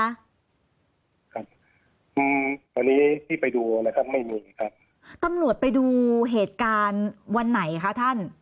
ครับอืมวันนี้ที่ไปดูนะครับไม่มีครับตำรวจไปดูเหตุการณ์วันไหนคะท่าน